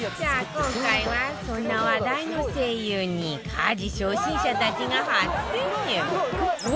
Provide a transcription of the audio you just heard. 今回はそんな話題の ＳＥＩＹＵ に家事初心者たちが初潜入！